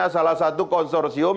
salah satu konsorsium